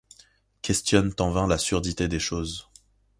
Questionnent en vain la surdité des choses ;